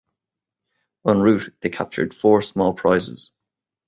En route, they captured four small prizes.